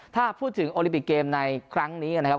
ถ้าพูดถึงโอลิปิกเกมในครั้งนี้นะครับ